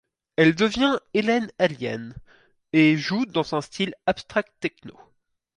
Elle devient Ellen Allien, et joue dans un style Abstract techno.